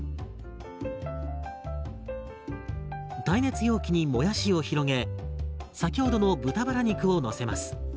耐熱容器にもやしを広げ先ほどの豚バラ肉をのせます。